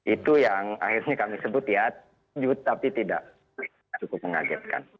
itu yang akhirnya kami sebut ya tapi tidak cukup mengagetkan